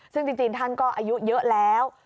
ซึ่งจริงท่านก็อายุเยอะแล้ว